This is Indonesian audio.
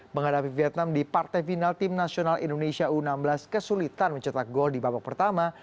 menghadapi vietnam di partai final tim nasional indonesia u enam belas kesulitan mencetak gol di babak pertama